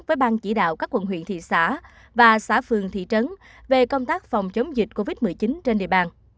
với bang chỉ đạo các quận huyện thị xã và xã phường thị trấn về công tác phòng chống dịch covid một mươi chín trên địa bàn